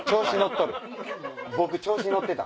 僕調子乗ってた！